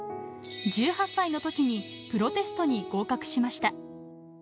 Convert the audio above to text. １８歳のときにプロテストに合格しました。